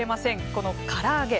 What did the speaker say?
このから揚げ